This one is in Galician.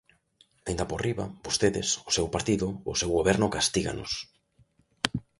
Aínda por riba, vostedes, o seu partido, o seu Goberno castíganos.